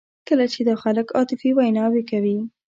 کله چې دا خلک عاطفي ویناوې کوي.